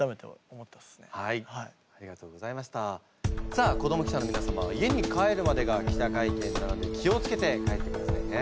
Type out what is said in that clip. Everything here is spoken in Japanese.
さあ子ども記者のみなさまは家に帰るまでが記者会見なので気を付けて帰ってくださいね。